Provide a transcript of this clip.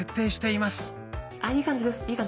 いい感じです。